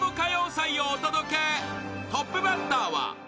［トップバッターは］